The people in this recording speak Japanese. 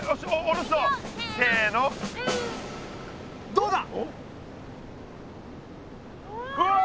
どうだ？わ。